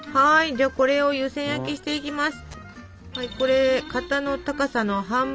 じゃこれを湯せん焼きしていきます。